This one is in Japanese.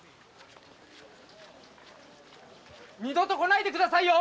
二度と来ないでください